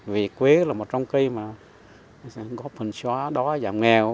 vì quế là một trong cây mà sẽ góp hình xóa đói giảm nghèo